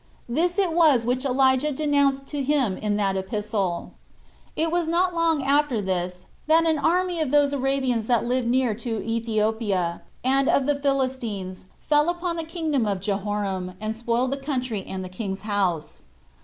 This it was which Elijah denounced to him in that epistle. 3. It was not long after this that an army of those Arabians that lived near to Ethiopia, and of the Philistines, fell upon the kingdom of Jehoram, and spoiled the country and the king's house.